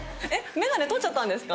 メガネ取っちゃったんですか？